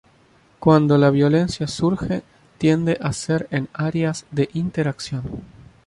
Cuando la violencia surge, tiende a ser en áreas de interacción.